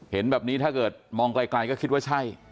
เห็นแบบนี้ถ้าเกิดมองไกลก็คิดว่าใช่